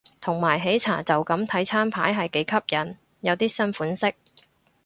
同埋喜茶就咁睇餐牌係幾吸引，有啲新款式